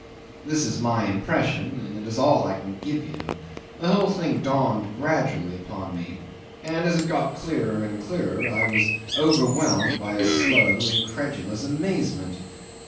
This is my impression, and it is all I can give you: the whole thing dawned gradually upon me, and as it got clearer and clearer I was overwhelmed by a slow incredulous amazement.